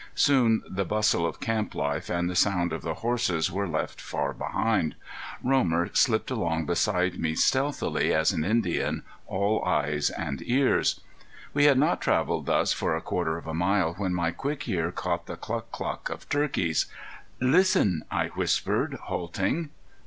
Soon the bustle of camp life and the sound of the horses were left far behind. Romer slipped along beside me stealthily as an Indian, all eyes and ears. We had not traveled thus for a quarter of a mile when my quick ear caught the cluck cluck of turkeys. "Listen," I whispered, halting.